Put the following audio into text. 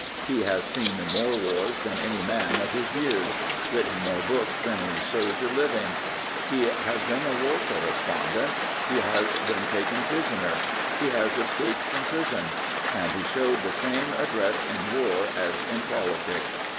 He has seen more wars than any man of his years; written more books than any soldier living. He has been a war correspondent; he has been taken prisoner; he has escaped from prison. And he showed the same address in war as in politics.